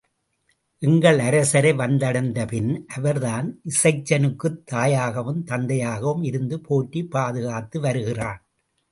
எங்கள் அரசரை வந்தடைந்தபின் அவர்தான் இசைச்சனுக்குத் தாயாகவும் தந்தையாகவும் இருந்து போற்றிப் பாதுகாத்து வருகிறான்.